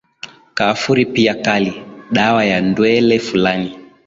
Kaafuri pia kali, dawa ya ndwele Fulani,